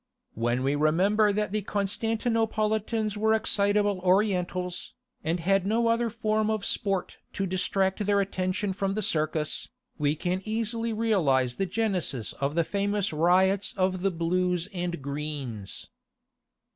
When we remember that the Constantinopolitans were excitable Orientals, and had no other form of sport to distract their attention from the Circus, we can easily realize the genesis of the famous riots of the Blues and Greens.